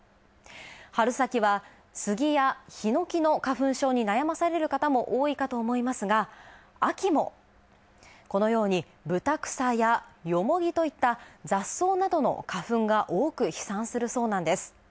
春先はスギやヒノキの花粉症に悩まされる方も多いかと思いますが、秋もこのようにブタクサやヨモギといった雑草などの花粉が多く飛散するそうなんです。